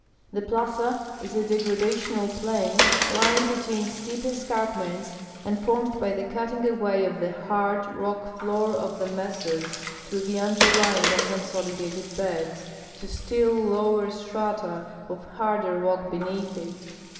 The plaza is a degradational plain, lying between steep escarp ments, and formed by the cutting away of the hard, rock floor of the mesas through the underlying unconsolidated beds, to still lower strata of harder rock beneath it.